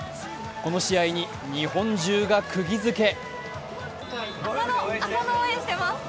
この試合に日本中がくぎづけ。